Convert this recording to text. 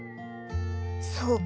そうか。